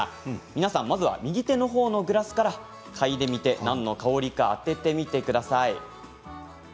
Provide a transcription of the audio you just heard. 皆さん、まずは右手のほうのグラスから嗅いでみて何の香りか当ててみてください。